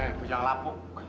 hei pujang lapuk